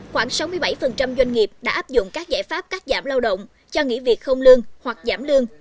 khoảng sáu mươi bảy doanh nghiệp đã áp dụng các giải pháp cắt giảm lao động cho nghỉ việc không lương hoặc giảm lương